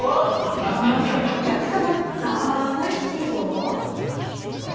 よしお客様ざぁまに釣るぞぉ！